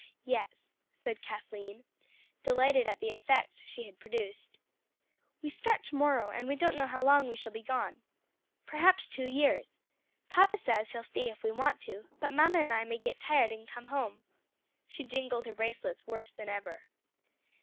"Yes," said Kathleen, delighted at the effect she had produced. "We start to morrow, and we don't know how long we shall be gone. Perhaps two years. Papa says he'll stay if we want to; but mamma and I may get tired and come home." She jingled her bracelets worse than ever.